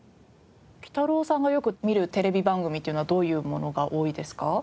きたろうさんがよく見るテレビ番組っていうのはどういうものが多いですか？